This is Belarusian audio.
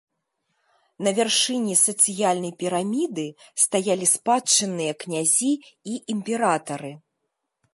На вяршыні сацыяльнай піраміды стаялі спадчынныя князі і імператары.